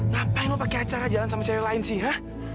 ngapain lo pake acara jalan sama cewek lain sih ha